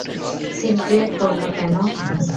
Scene create করলো কেন?